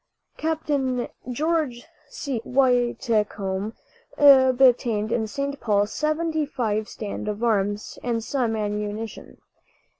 Capt. George C. Whitcomb obtained in St. Paul seventy five stand of arms and some ammunition.